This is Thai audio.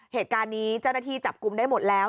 เหตุการณ์นี้เจ้าหน้าที่จับกลุ่มได้หมดแล้ว